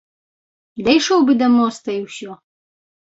Дайшоў бы да моста, і ўсё.